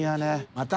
また？